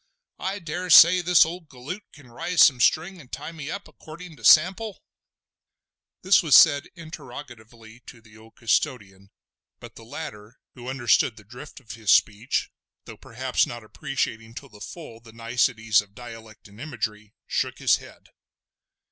I dare say this old galoot can rise some string and tie me up accordin' to sample?" This was said interrogatively to the old custodian, but the latter, who understood the drift of his speech, though perhaps not appreciating to the full the niceties of dialect and imagery, shook his head.